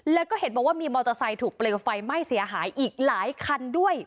แล้วก็เห็นบอกว่ามีมอเตอร์ไซค์ถูกเปลวไฟไหม้เสียหายอีกหลายคันด้วย